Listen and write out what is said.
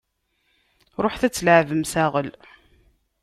Ruḥet ad tleɛbem saɣel!